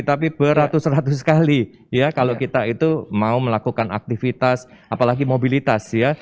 tapi beratus ratus kali ya kalau kita itu mau melakukan aktivitas apalagi mobilitas ya